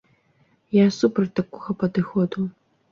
Я супраць такога падыходу.